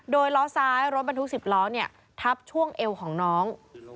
โดยล้อซ้ายรถบรรทุก๑๐ล้อทับช่วงเอวของน้อง